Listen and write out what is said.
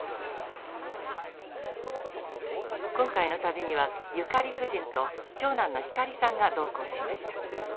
今回の旅にはゆかり夫人と長男の光さんが同行しました。